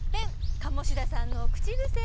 鴨志田さんの口癖。